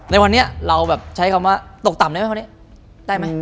ในวันนี้เราใช้คำว่ะตกต่ำได้ไม่เท่านี้